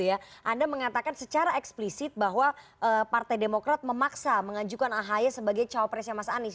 anda mengatakan secara eksplisit bahwa partai demokrat memaksa mengajukan ahy sebagai cawapresnya mas anies